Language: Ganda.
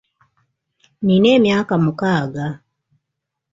Nnina emyaka mukaaga.